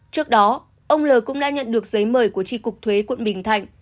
trước đó ông l cũng đã nhận được giấy mời của tri cục thuế quận bình thạnh